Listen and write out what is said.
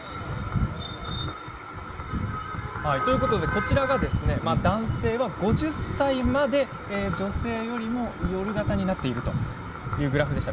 こちらが男性は５０歳まで女性よりも夜型になっているというグラフでした。